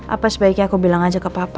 apa sebaiknya aku bilang aja ke papa